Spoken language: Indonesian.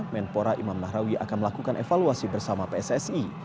menpora imam nahrawi akan melakukan evaluasi